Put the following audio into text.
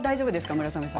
村雨さん。